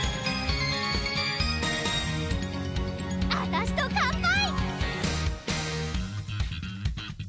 あたしと乾杯！